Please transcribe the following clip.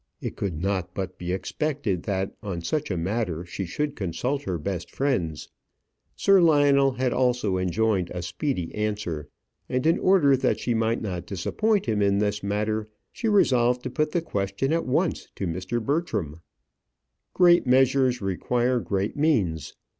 It could not but be expected that on such a matter she should consult her best friends. Sir Lionel had also enjoined a speedy answer; and in order that she might not disappoint him in this matter, she resolved to put the question at once to Mr. Bertram. Great measures require great means.